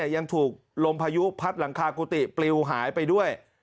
ยังถูกลมพายุพัดหลังคากุฏิปลิวหายไปด้วย